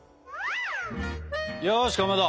よしかまど